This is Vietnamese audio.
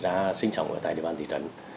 ở tại sinh sống ở tại địa bàn thị trấn